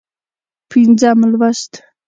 پينځم لوست